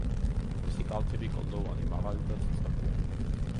მისი კალთები კლდოვანი, მაღალი და ციცაბოა.